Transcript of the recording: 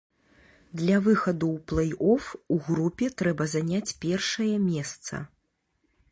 Для выхаду ў плэй-оф у групе трэба заняць першае месца.